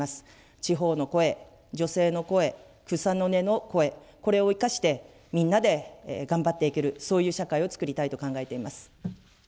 地方の声、女性の声、草の根の声、これを生かして、みんなで頑張っていける、そういう社会をつくりたいと考えています。